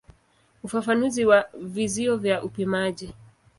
Ufafanuzi wa vizio vya upimaji.